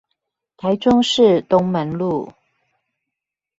台中市東門路